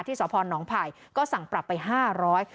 ที่สพน้องภายก็สั่งปรับไปห้าร้อย